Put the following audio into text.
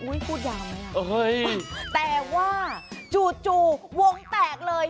อุ๊ยพูดยาวมั้ยอ่ะแต่ว่าจู่วงแตกเลย